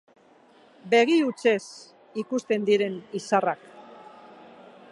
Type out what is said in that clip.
Begi hutsez ikusten diren izarrak.